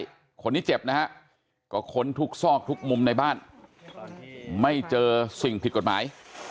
คนนี้เจ็บนะฮะก็ค้นทุกซอกทุกมุมในบ้านไม่เจอสิ่งผิดกฎหมาย